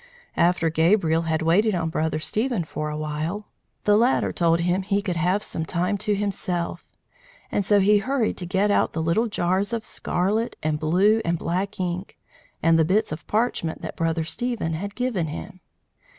After Gabriel had waited on Brother Stephen for awhile, the latter told him he could have some time to himself, and so he hurried to get out the little jars of scarlet and blue and black ink, and the bits of parchment that Brother Stephen had given him.